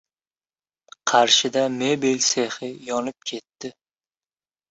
Qarshida mebel sexi yonib ketdi